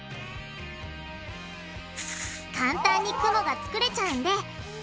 簡単に雲が作れちゃうんであっ